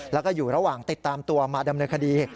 แล้วก็อยู่ระหว่างติดตามตัวมาดำเนินคดี